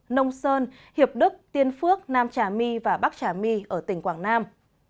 nông sơn hiệp đức tiên phước nam trà my và bắc trà my ở tỉnh quảng nam